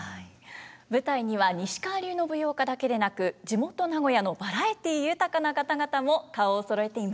舞台には西川流の舞踊家だけでなく地元名古屋のバラエティー豊かな方々も顔をそろえています。